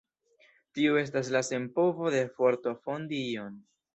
Tio estas la senpovo de forto fondi ion.